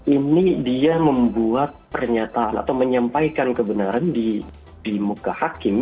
ini dia membuat pernyataan atau menyampaikan kebenaran di muka hakim